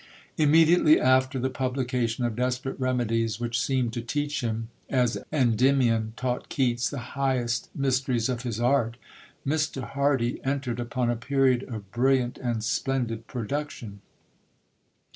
Immediately after the publication of Desperate Remedies, which seemed to teach him, as Endymion taught Keats, the highest mysteries of his art, Mr. Hardy entered upon a period of brilliant and splendid production.